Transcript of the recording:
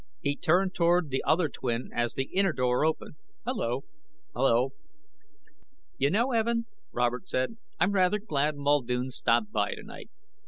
He turned toward the other twin as the inner door opened. "Hello." "Hello." "You know, Evin," Robert said, "I'm rather glad Muldoon stopped by tonight.